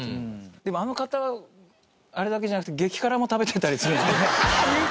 でもあの方あれだけじゃなくて激辛も食べてたりするんですよね。